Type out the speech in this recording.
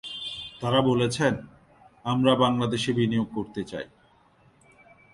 তারা বলেছেন, আমরা বাংলাদেশে বিনিয়োগ করতে চাই।